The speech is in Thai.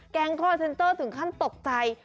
คอร์เซ็นเตอร์ถึงขั้นตกใจ